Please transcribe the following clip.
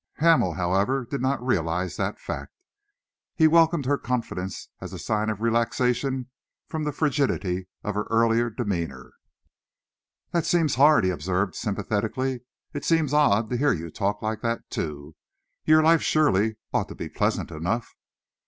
Hamel, however, did not realise that fact. He welcomed her confidence as a sign of relaxation from the frigidity of her earlier demeanour. "That seems hard," he observed sympathetically. "It seems odd to hear you talk like that, too. Your life, surely, ought to be pleasant enough."